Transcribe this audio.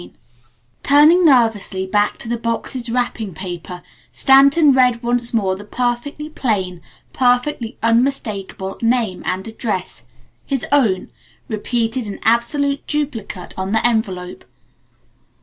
II Turning nervously back to the box's wrapping paper Stanton read once more the perfectly plain, perfectly unmistakable name and address, his own, repeated in absolute duplicate on the envelope.